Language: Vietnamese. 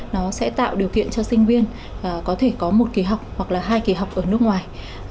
nó sẽ tạo điều kiện cho sinh viên có thể có một kỳ học hoặc là hai kỳ học ở nước ngoài